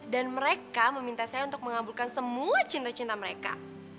dan mereka meminta saya untuk mengabulkan semua cinta cinta mereka